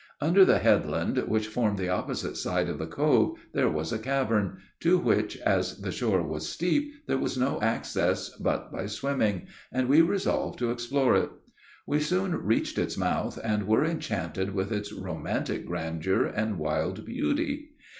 Under the headland, which formed the opposite side of the cove, there was a cavern, to which, as the shore was steep, there was no access but by swimming, and we resolved to explore it. We soon reached its mouth, and were enchanted with its romantic grandeur and wild beauty.